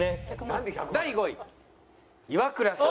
第５位イワクラさん。